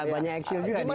banyak eksil juga